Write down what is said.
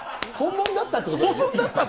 本物だったっていう。